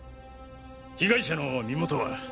被害者の身元は？